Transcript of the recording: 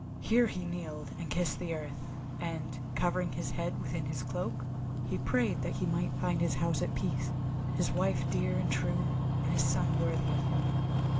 Here he kneeled, and kissed the earth, and, covering his head within his cloak, he prayed that he might find his house at peace, his wife dear and true, and his son worthy of him.